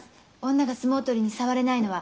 女が相撲取りに触れないのは。